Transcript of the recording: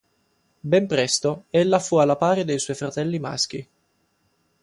Ben presto ella fu alla pari dei suoi fratelli maschi.